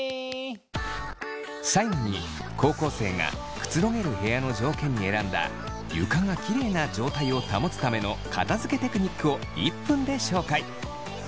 最後に高校生がくつろげる部屋の条件に選んだ床がキレイな状態を保つための片づけテクニックを１分で紹介。